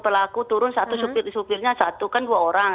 pelaku turun satu supirnya satu kan dua orang